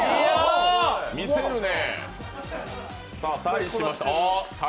見せるね。